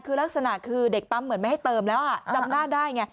คือลักษณะคือเด็กปั๊มเหมือนไม่ให้เติมแล้วจำหน้าได้ไง